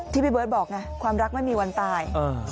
พี่เบิร์ตบอกไงความรักไม่มีวันตาย